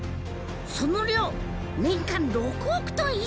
その量年間６億トン以上！